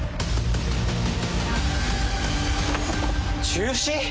中止！？